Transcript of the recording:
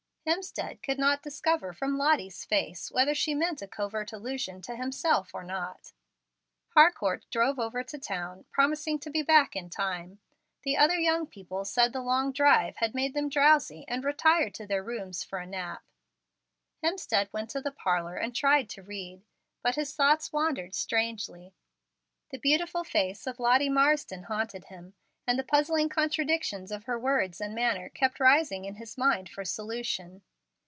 Hemstead could not discover from Lottie's face whether she meant a covert allusion to himself or not. Harcourt drove over to town, promising to be back in time. The other young people said that the long drive had made them drowsy, and retired to their rooms for a nap. Hemstead went to the parlor and tried to read, but his thoughts wandered strangely. The beautiful face of Lottie Marsden haunted him, and the puzzling contradictions of her words and manner kept rising in his mind for solution.